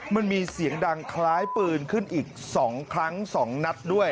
มันมีเสียงดังคล้ายปืนขึ้นอีก๒ครั้ง๒นัดด้วย